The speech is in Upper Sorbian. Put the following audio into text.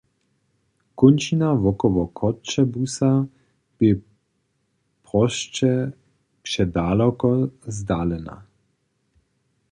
Kónčina wokoło Choćebuza bě prosće předaloko zdalena.